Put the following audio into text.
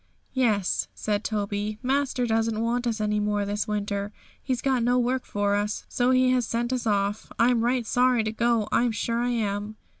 'Yes,' said Toby; 'master doesn't want us any more this winter; he's got no work for us, so he has sent us off. I'm right sorry to go, I'm sure I am.'